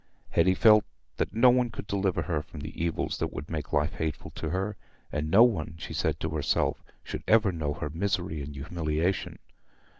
Hetty felt that no one could deliver her from the evils that would make life hateful to her; and no one, she said to herself, should ever know her misery and humiliation.